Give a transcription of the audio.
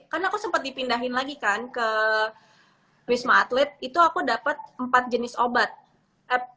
karena aku sempat dipindahin lagi kan ke wisma atlet itu aku dapat empat jenis obat